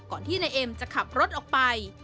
ที่นายเอ็มจะขับรถออกไป